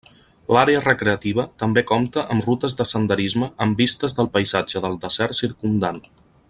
L'àrea recreativa també compta amb rutes de senderisme amb vistes del paisatge del desert circumdant.